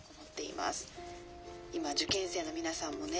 今受験生の皆さんもね